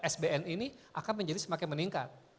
sbn ini akan menjadi semakin meningkat